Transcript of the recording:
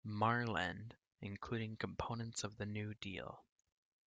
Marland, including components of the New Deal.